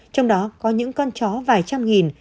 trong đó có những con chó vài trăm nghìn